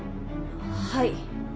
はい。